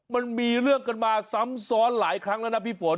มันมีเรื่องกันมาซ้ำซ้อนหลายครั้งแล้วนะพี่ฝน